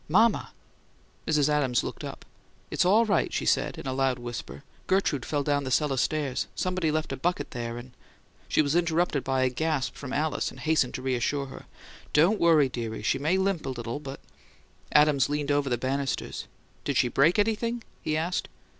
"Mama!" Mrs. Adams looked up. "It's all right," she said, in a loud whisper. "Gertrude fell down the cellar stairs. Somebody left a bucket there, and " She was interrupted by a gasp from Alice, and hastened to reassure her. "Don't worry, dearie. She may limp a little, but " Adams leaned over the banisters. "Did she break anything?" he asked.